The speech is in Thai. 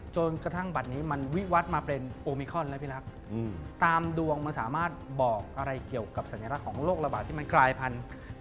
จนกระทั่งบัตรนี้มันวิวัติมาเป็นโอมิคอนแล้วพี่รักตามดวงมันสามารถบอกอะไรเกี่ยวกับสัญลักษณ์ของโรคระบาดที่มันกลายพันธุ์